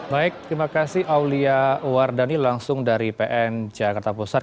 baik terima kasih aulia wardani langsung dari pn jakarta pusat